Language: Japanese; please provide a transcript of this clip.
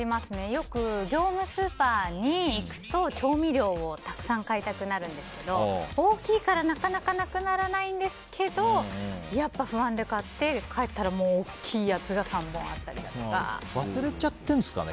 よく業務スーパーに行くと調味料をたくさん買いたくなるんですけど大きいからなかなかなくならないんですけどやっぱり不安で買って帰ったら大きいやつが忘れちゃってるんですかね。